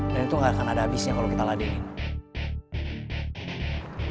dan itu gak akan ada abisnya kalo kita ladengin